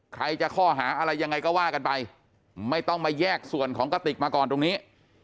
ใครจะข้อหาอะไรยังไงก็ว่ากันไปไม่ต้องมาแยกส่วนของกระติกมาก่อนตรงนี้